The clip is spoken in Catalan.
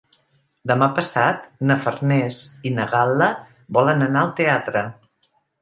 Demà passat na Farners i na Gal·la volen anar al teatre.